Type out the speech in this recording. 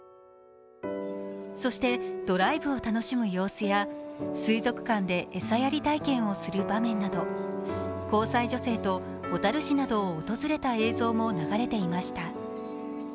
そしてドライブを楽しむ様子や水族館で餌やり体験をする場面など交際女性と小樽市などを訪れた映像も流れていました。